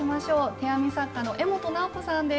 手編み作家の江本直子さんです。